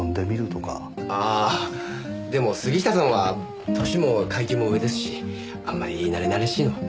ああでも杉下さんは歳も階級も上ですしあんまりなれなれしいのは。